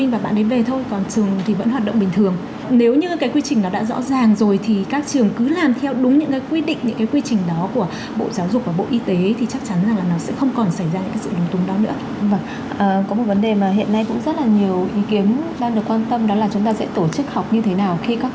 và những vấn đề nào đang được đặt ra